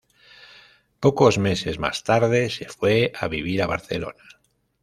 Pocos meses más tarde se fue a vivir a Barcelona.